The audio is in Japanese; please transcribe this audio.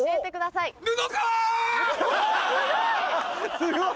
すごい！